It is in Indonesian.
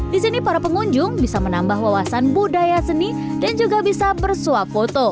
di sini para pengunjung bisa menambah wawasan budaya seni dan juga bisa bersuap foto